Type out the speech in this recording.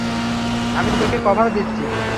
আমি তোকে কভার দিচ্ছি।